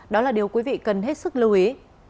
đó là điều quý vị cần hết sức lưu ý